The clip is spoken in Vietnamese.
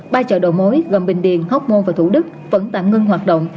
ba chợ đầu mối gồm bình điền hóc môn và thủ đức vẫn tạm ngưng hoạt động